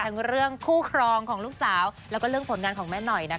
เรื่องคู่ครองของลูกสาวแล้วก็เรื่องผลงานของแม่หน่อยนะคะ